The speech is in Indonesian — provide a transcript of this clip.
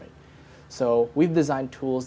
jadi kita telah menginapkan alat